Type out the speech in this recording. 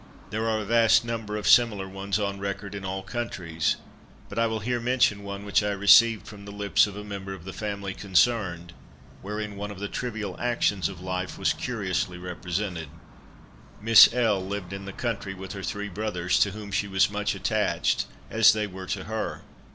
There are a vast number of similar ones on record in all countries;—but I will here mention one which I received from the lips of a member of the family concerned, wherein one of the trivial actions of life was curiously represented. Miss L—— lived in the country with her three brothers, to whom she was much attached, as they were to her.